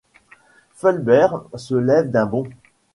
Fulbert se lève d'un bond.